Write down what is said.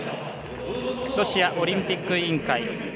ロシアオリンピック委員会。